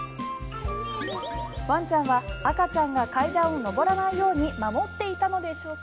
ワンちゃんは赤ちゃんが階段を上らないように守っていたのでしょうか。